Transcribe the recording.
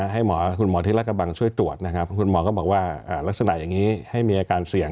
ให้หมอคุณหมอที่รัฐกระบังช่วยตรวจนะครับคุณหมอก็บอกว่าลักษณะอย่างนี้ให้มีอาการเสี่ยง